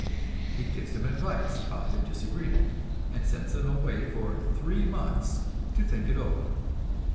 He gives them advice about their disagreement, and sends them away for three months to think it over.